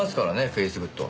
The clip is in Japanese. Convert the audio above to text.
フェイスグッド。